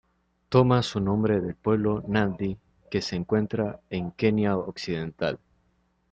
Toma su nombre del pueblo Nandi que se encuentra en Kenia occidental.